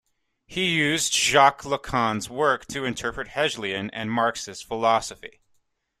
He used Jacques Lacan's work to interpret Hegelian and Marxist philosophy.